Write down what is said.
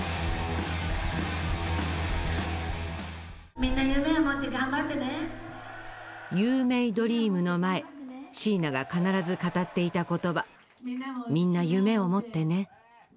みんな夢を持って頑張ってね「ユー・メイ・ドリーム」の前シーナが必ず語っていた言葉「みんな夢を持ってね」